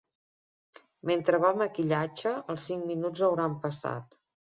Mentre va a maquillatge, els cinc minuts hauran passat.